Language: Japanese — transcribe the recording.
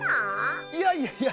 いやいやいや